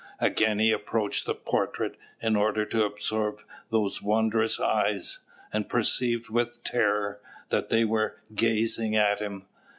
Again he approached the portrait, in order to observe those wondrous eyes, and perceived, with terror, that they were gazing at him.